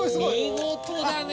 見事だね！